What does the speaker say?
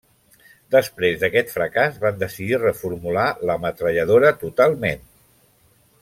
Després d'aquest fracàs van decidir reformular la metralladora totalment.